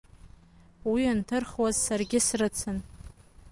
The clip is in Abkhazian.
Уи анҭырхуаз саргьы срыцын.